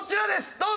どうぞ！